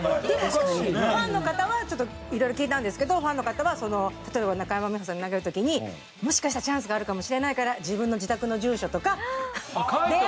でもファンの方は色々聞いたんですけどファンの方は例えば中山美穂さんに投げる時にもしかしたらチャンスがあるかもしれないから。